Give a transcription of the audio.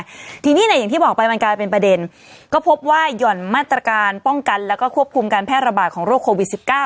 ทีนี้เนี่ยอย่างที่บอกไปมันกลายเป็นประเด็นก็พบว่าหย่อนมาตรการป้องกันแล้วก็ควบคุมการแพร่ระบาดของโรคโควิด๑๙